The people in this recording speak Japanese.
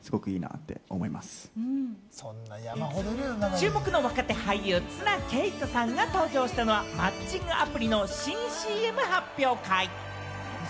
注目の若手俳優・綱啓永さんが登場したのは、マッチングアプリの新ＣＭ発表会。